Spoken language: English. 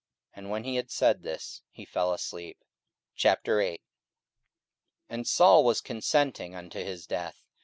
And when he had said this, he fell asleep. 44:008:001 And Saul was consenting unto his death.